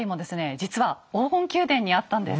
実は黄金宮殿にあったんです。